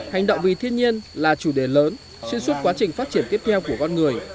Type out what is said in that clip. hành động vì thiên nhiên là chủ đề lớn xuyên suốt quá trình phát triển tiếp theo của con người